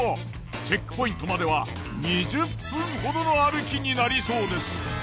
チェックポイントまでは２０分ほどの歩きになりそうです。